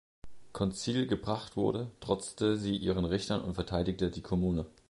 Konzil gebracht wurde, trotzte sie ihren Richtern und verteidigte die Commune.